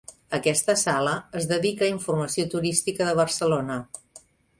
Aquesta sala es dedica a Informació Turística de Barcelona.